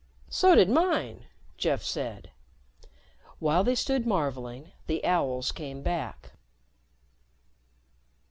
"So did mine," Jeff said. While they stood marveling, the owls came back.